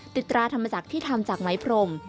ติดตราทำมาจากที่ทำจากไม้พรม